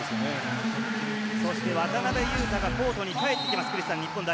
そして渡邊雄太がコートに帰ってきます。